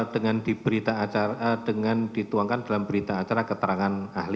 dengan diberita acara dengan dituangkan dalam berita acara keterangan ahli